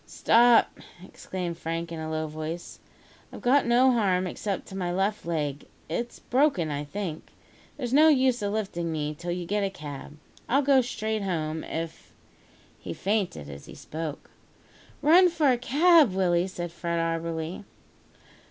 "Stop," exclaimed Frank in a low voice; "I've got no harm except to my left leg. It's broken, I think. There's no use of lifting me till you get a cab. I'll go straight home, if " He fainted as he spoke. "Run for a cab, Willie," said Fred Auberly.